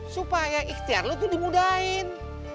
supaya ikhtiar lu itu dimudahin